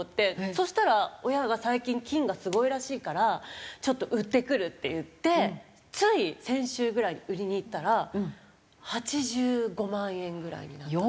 そしたら親が最近金がすごいらしいからちょっと売ってくるって言ってつい先週ぐらいに売りに行ったら８５万円ぐらいになったって。